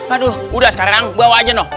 aduh udah sekarang bawa aja noh